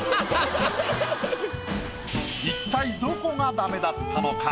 一体どこがダメだったのか？